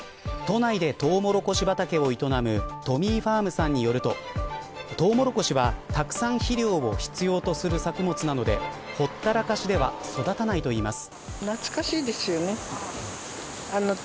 都内でトウモロコシ畑を営むＴＯＭＭＹＦＡＲＭさんによるとトウモロコシはたくさん肥料を必要とする作物なのでほったらかしでは育たないといいます。